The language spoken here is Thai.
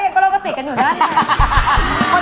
คนนี้ก็วิ่ง